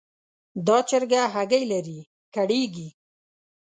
دا چرګه هګۍ لري؛ کړېږي.